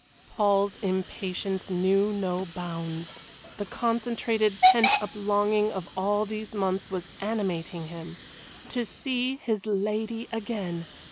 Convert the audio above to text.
Paul's impatience knew no bounds. The concentrated pent up longing of all these months was animating him. To see his lady again!